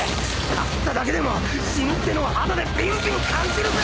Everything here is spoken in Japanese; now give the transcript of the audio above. かすっただけでも死ぬってのを肌でびんびん感じるぜ！